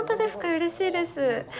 うれしいです。